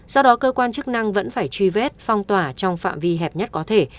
do đó cơ quan chức năng vẫn phải truy vết phong tỏa trong phạm vi hẹp nhất có thể